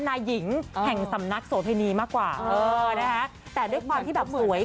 นายหญิงแห่งสำนักโสเพณีมากกว่าเออนะคะแต่ด้วยความที่แบบสวย